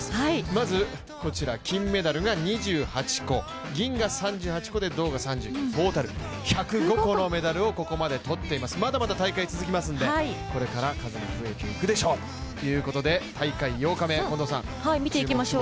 まずこちら金メダルが２８個、銀が３８個で銅が３９個トータル１０５個のメダルをここまでとっています、まだまだ大会続きますのでこれから数が増えていくでしょうということで大会８日目、見ていきましょう。